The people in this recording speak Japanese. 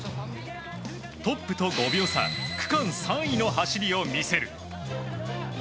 トップと５秒差区間３位の走りを見せる。